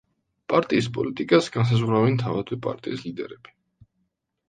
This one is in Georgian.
პარტიის პოლიტიკას განსაზღვრავენ თავადვე პარტიის ლიდერები.